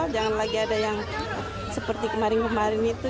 jangan lagi ada yang seperti kemarin kemarin itu